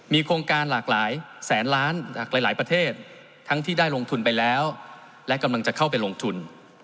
มีโครงการหลากหลายแสนล้านจากหลายประเทศทั้งที่ได้ลงทุนไปแล้วและกำลังจะเข้าไปลงทุน